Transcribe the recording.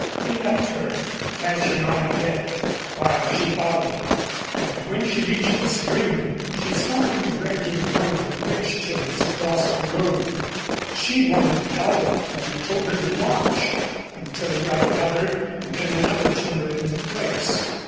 He left her, dashing on ahead, while she followed, and when she reached the stream she saw him dragging one of the bridge timbers across the road. She wanted to help, but he told her to watch, until he got another and then another timber into place.